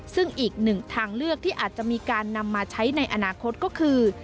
ซึ่งอีกหนึ่งทางเลือกที่อาจจะมีการนำมาใช้ในอนาคตก็คือ